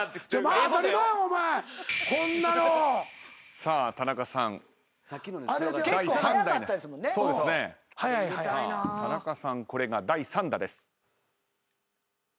さあ田中さんこれが第３打です。